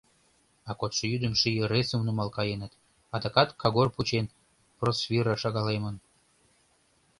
А кодшо йӱдым ший ыресым нумал каеныт, адакат кагор пучен, просвира шагалемын.